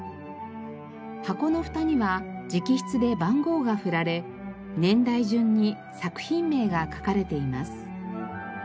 箱のフタには直筆で番号が振られ年代順に作品名が書かれています。